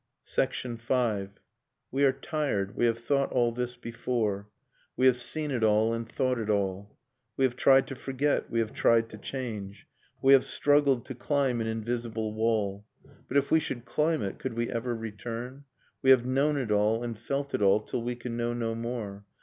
.. V. We are tired, we have thought all this before, j We have seen it all, and thought it all. | We have tried to forget, we have tried to change. We have struggled to climb an invisible wall, Nocturne of Remembered Spring But if we should climb it, could we ever return? We have known it all, and felt it all Till we can know no more